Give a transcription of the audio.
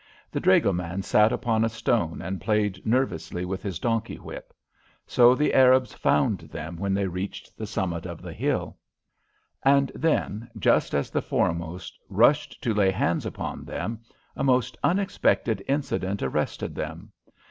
The dragoman sat upon a stone and played nervously with his donkey whip. So the Arabs found them when they reached the summit of the hill. And then, just as the foremost rushed to lay hands upon them, a most unexpected incident arrested them.